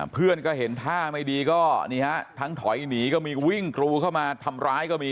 เพื่อนก็เห็นท่าไม่ดีก็นี่ฮะทั้งถอยหนีก็มีวิ่งกรูเข้ามาทำร้ายก็มี